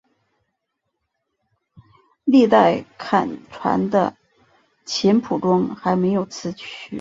历代刊传的琴谱中还没有此曲。